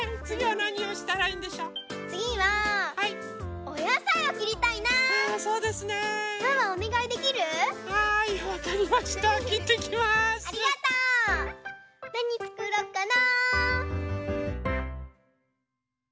なにつくろうかな？